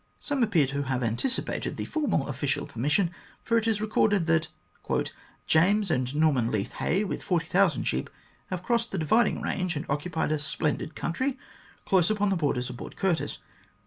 Some appear to have anticipated the formal official permission, for it is recorded that " James and Norman Leith Hay, with 40,000 sheep, have crossed the divid ing range and occupied a splendid country close upon the borders of Port Curtis.